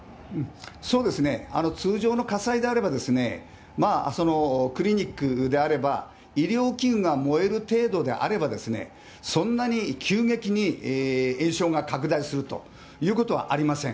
そうですね、通常の火災であれば、まあ、クリニックであれば、医療器具が燃える程度であればですね、そんなに急激に延焼が拡大するということはありません。